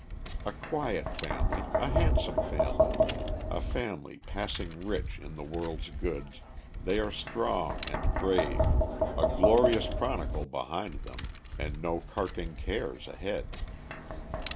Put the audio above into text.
A quiet family, a handsome family, a family passing rich in the world's goods, they are strong and brave a glorious chronicle behind them and no carking cares ahead.